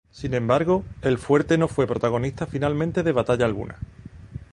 Sin embargo, el fuerte no fue protagonista finalmente de batalla alguna.